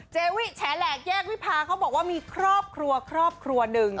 วิแฉแหลกแยกวิพาเขาบอกว่ามีครอบครัวครอบครัวหนึ่ง